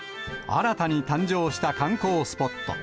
新たに誕生した観光スポット。